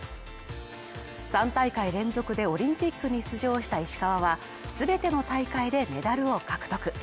３大会連続でオリンピックに出場した石川は全ての大会でメダルを獲得。